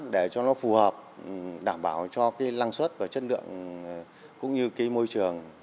để cho nó phù hợp đảm bảo cho cái lăng suất và chất lượng cũng như cái môi trường